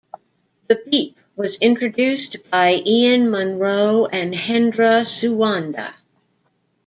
The beap was introduced by Ian Munro and Hendra Suwanda.